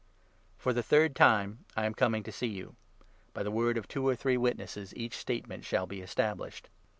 For the third time I am coming to see you. ' By the word i 1 of two or three witnesses each statement shall be established.'